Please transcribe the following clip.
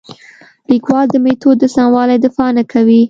لیکوال د میتود د سموالي دفاع نه کوي.